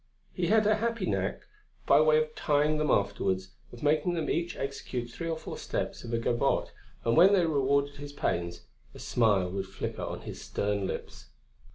He had a happy knack, by way of trying them afterwards, of making them each execute three or four steps of a gavotte, and when they rewarded his pains, a smile would flicker on his stern lips.